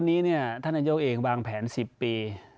วันนี้ท่านนายกเองวางแผน๑๐ปี